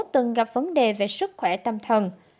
từng gặp vấn đề về sức khỏe tâm thần